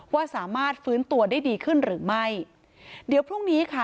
ว่าสามารถฟื้นตัวได้ดีขึ้นหรือไม่เดี๋ยวพรุ่งนี้ค่ะ